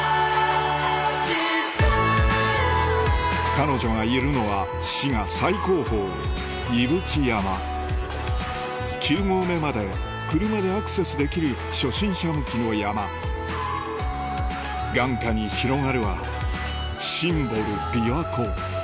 彼女がいるのは滋賀最高峰伊吹山９合目まで車でアクセスできる初心者向きの山眼下に広がるはシンボル琵琶湖